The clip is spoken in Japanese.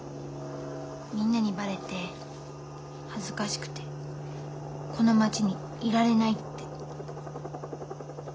みんなにばれて恥ずかしくてこの町にいられないって。